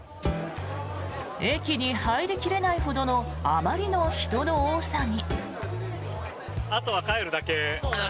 駅に入り切れないほどのあまりの人の多さに。